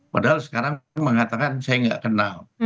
padahal sekarang mengatakan saya nggak kenal